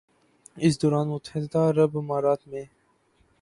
اس دوران متحدہ عرب امارات میں